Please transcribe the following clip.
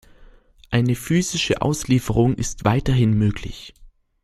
Eine "physische Auslieferung" ist weiterhin möglich.